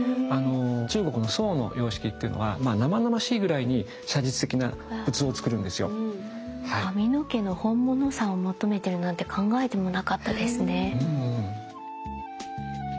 中国の宋の様式っていうのは生々しいぐらいに髪の毛の本物さを求めてるなんて考えてもなかったですね。